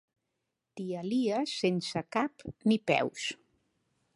T'hi alies sense cap ni peus.